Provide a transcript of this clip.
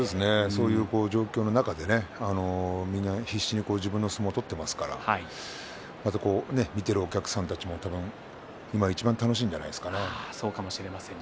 そういう状況の中でみんな必死に自分の相撲を取っていますから見ているお客さんたちも今いちばん楽しいんじゃないですかね。